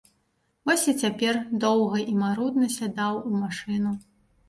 Вось і цяпер доўга і марудна сядаў у машыну.